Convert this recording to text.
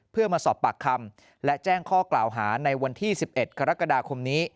เพื่อมาสอบปากคำและแจ้งข้อกล่าวหาในวันที่๑๑กรกฎาคมนี้